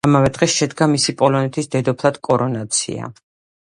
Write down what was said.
ამავე დღეს შედგა მისი პოლონეთის დედოფლად კორონაცია.